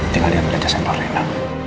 tinggal dia belajar sama rena